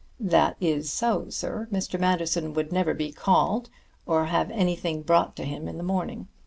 "That is so, sir. Mr. Manderson would never be called, or have anything brought to him in the morning.